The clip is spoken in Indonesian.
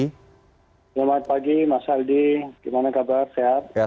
selamat pagi mas aldi gimana kabar sehat